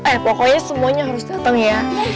eh pokoknya semuanya harus datang ya